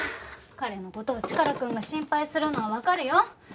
彼の事をチカラくんが心配するのはわかるよ。